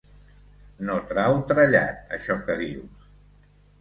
No trau trellat, això que dius.